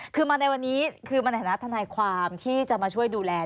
คือมาในวันนี้คือมาในฐานะทนายความที่จะมาช่วยดูแล